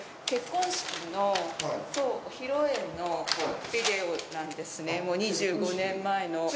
結婚式の披露宴のビデオなんですね、もう２５年前の。